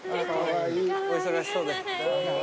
お忙しそうで。